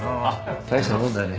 大したもんだね。